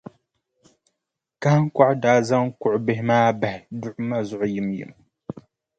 Kahiŋkɔɣu daa zaŋ kuɣʼ bihi maa bahi duɣu ma zuɣu yimyim.